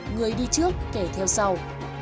người đi trước kẻ theo sau